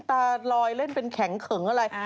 ตาลอยเล่นเป็นแข็งเขิงอะไร